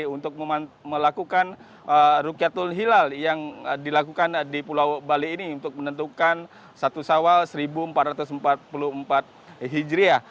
untuk melakukan rukyatul hilal yang dilakukan di pulau bali ini untuk menentukan satu sawal seribu empat ratus empat puluh empat hijriah